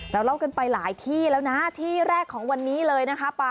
เราเล่ากันไปหลายที่แล้วนะที่แรกของวันนี้เลยนะคะ